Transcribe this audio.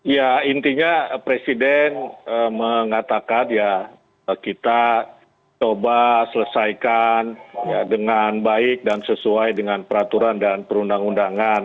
ya intinya presiden mengatakan ya kita coba selesaikan dengan baik dan sesuai dengan peraturan dan perundang undangan